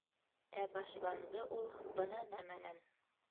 — Ә башланды ул бына нәмәнән...